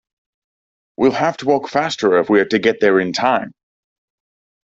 We'll have to walk faster if we are to get there in time.